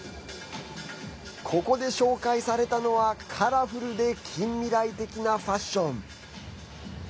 ここで紹介されたのはカラフルで近未来的なファッション。